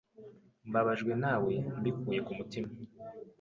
Mbabajwe nawe mbikuye ku mutima.